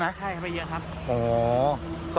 ใช่ไม่เยอะครับอ๋อ